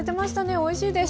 おいしいです。